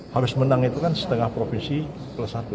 harus menang itu kan setengah profesi plus satu